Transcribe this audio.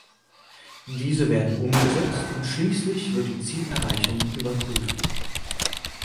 Diese werden umgesetzt, und schließlich wird die Zielerreichung überprüft.